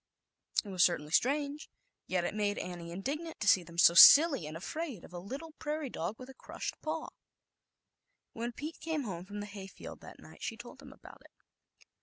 ^^^^^^ J certainly strange, yet it made Annie indignant to see them so silly, and afraid of a little prairie dog with a crushed paw. When Pete came home from the hay field that night, she told him about it.